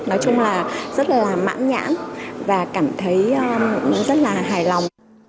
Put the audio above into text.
nói chung là rất là mãn nhãn và cảm thấy rất là hài lòng